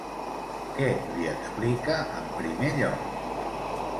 Què li explica en primer lloc?